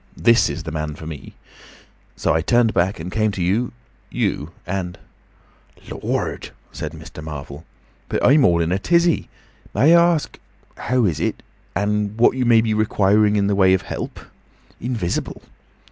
This is the man for me.' So I turned back and came to you—you. And—" "Lord!" said Mr. Marvel. "But I'm all in a tizzy. May I ask—How is it? And what you may be requiring in the way of help?—Invisible!"